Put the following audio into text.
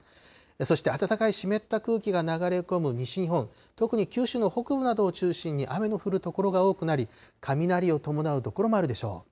そして暖かい湿った空気が流れ込む西日本、特に九州の北部などを中心に雨の降る所が多くなり、雷を伴う所もあるでしょう。